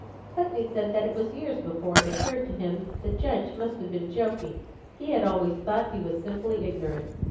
Putney said that it was years before it occurred to him that the judge must have been joking: he had always thought he was simply ignorant.